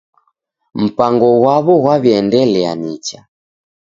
Mpango ghwaw'o ghwaw'iaendelia nicha.